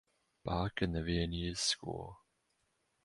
Bach and the Viennese School.